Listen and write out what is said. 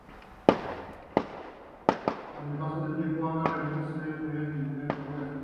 Con el paso del tiempo, ambas revistas se movieron en direcciones opuestas.